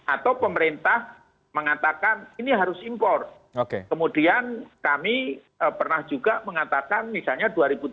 atau pemerintah mengatakan ini harus impor kemudian kami pernah juga mengatakan misalnya dua ribu tiga belas